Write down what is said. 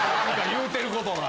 言うてることが。